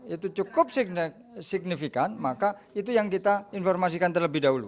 itu cukup signifikan maka itu yang kita informasikan terlebih dahulu